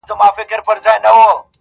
او دغه کندهاریتوب زما ریډلاین دی